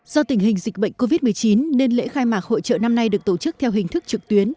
do tình hình dịch bệnh covid một mươi chín nên lễ khai mạc hội trợ năm nay được tổ chức theo hình thức trực tuyến